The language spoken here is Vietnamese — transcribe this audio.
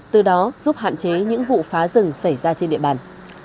từ đó giúp hạn chế những vụ phá rừng xảy ra trên địa bàn